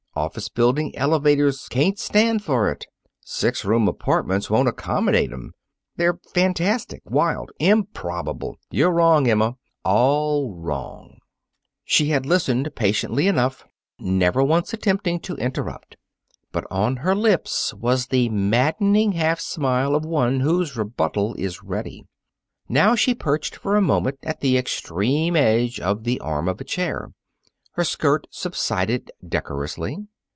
Office building elevators can't stand for it. Six room apartments won't accommodate 'em. They're fantastic, wild, improbable. You're wrong, Emma all wrong!" She had listened patiently enough, never once attempting to interrupt. But on her lips was the maddening half smile of one whose rebuttal is ready. Now she perched for a moment at the extreme edge of the arm of a chair. Her skirt subsided decorously.